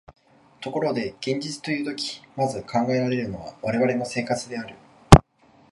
ところで現実というとき、まず考えられるのは我々の生活である。